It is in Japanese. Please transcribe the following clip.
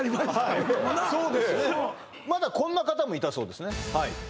いうのもなまだこんな方もいたそうですね